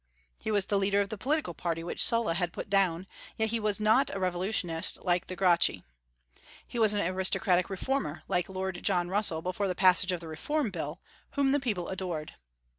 He was the leader of the political party which Sulla had put down, and yet was not a revolutionist like the Gracchi. He was an aristocratic reformer, like Lord John Russell before the passage of the Reform Bill, whom the people adored.